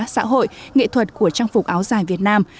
xã hội nghệ thuật của trang phục áo dài việt nam